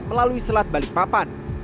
melalui selat balikpapan